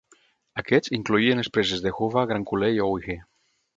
Aquests incloïen les preses de Hoover, Grand Coulee i Owyhee.